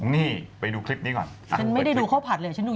นี่ไปดูคลิปนี้ก่อน